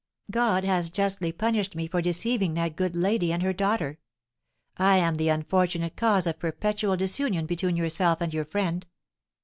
God has justly punished me for deceiving that good lady and her daughter! I am the unfortunate cause of perpetual disunion between yourself and your friend."